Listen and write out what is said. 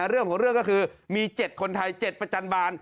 เรื่องของเรื่องก็คือมี๗คนไทย๗ประจันบาล